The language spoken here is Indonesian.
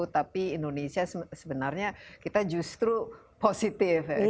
tapi indonesia sebenarnya kita justru positif